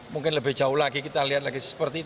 mungkin lebih jauh lagi kita lihat lagi seperti itu